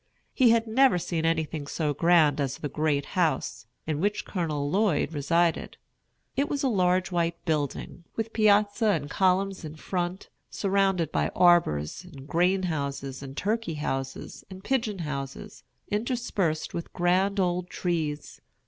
He had never seen anything so grand as The Great House, in which Colonel Lloyd resided. It was a large white building, with piazza and columns in front, surrounded by arbors, and grain houses, and turkey houses, and pigeon houses, interspersed with grand old trees.